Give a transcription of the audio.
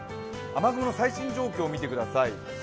雨雲の最新状況を見てください。